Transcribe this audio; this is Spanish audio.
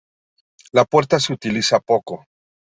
La puerta se utiliza poco.